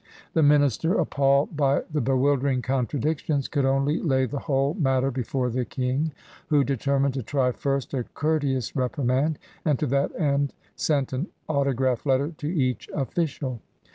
The minister, appalled by the bewildering contradictions, could only lay the whole matter before the King, who determined to try first a courteous reprimand and to that end sent an autograph letter to each official.